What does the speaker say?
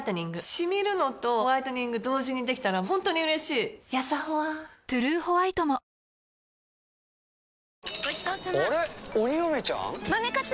シミるのとホワイトニング同時にできたら本当に嬉しいやさホワ「トゥルーホワイト」も「ビオレ」のまさつレス洗顔？